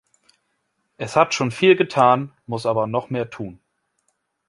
Es hat schon viel getan, muss aber noch mehr tun.